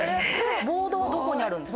ボードはどこにあるんですか？